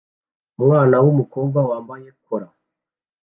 Umwana wumukobwa wambaye kora